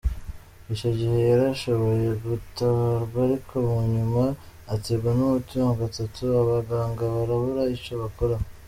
"Ico gihe yarashoboye gutabarwa ariko munyuma ategwa n'umutima gatatu, abaganga barabura ico bokora.